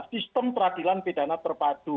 sistem peradilan pidana terpadu